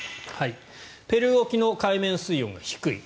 ペルー沖の海面水温が低い。